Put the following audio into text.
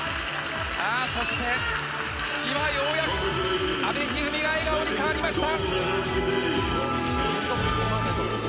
そして今、ようやく阿部一二三が笑顔に変わりました。